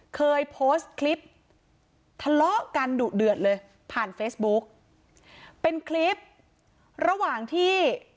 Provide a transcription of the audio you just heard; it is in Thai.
เคยโพสต์คลิปทะเลาะกันดุเดือดเลยผ่านเฟซบุ๊กเป็นคลิประหว่างที่